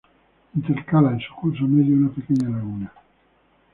Intercala en su curso medio una pequeña laguna.